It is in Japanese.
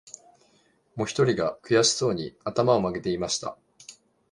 もひとりが、くやしそうに、あたまをまげて言いました